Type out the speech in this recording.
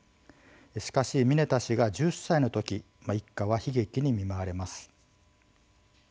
しかし、ミネタ氏が１０歳のとき一家は悲劇に見舞われます。